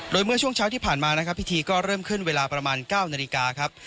โดยเมื่อช่วงเช้าที่ผ่านมานะครับพิธีก็เริ่มขึ้นเวลาประมาณ๙นาฬิกาครับ